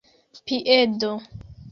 piedo